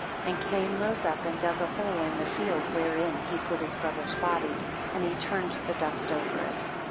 27. And Cain rose up and dug a hole in the field, wherein he put his brother's body, and he turned the dust over it.